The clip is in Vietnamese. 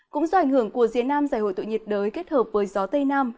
cũng do ảnh hưởng của diễn nam giải hội tội nhiệt đới kết hợp với gió tây nam